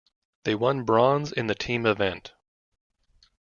They won bronze in the team event.